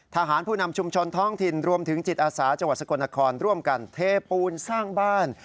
ทหารผู้นำชุมชนท้องถิ่นรวมถึงจิตอาสาจังหวัดสกลนครร่วมกันเทปูนสร้างบ้าน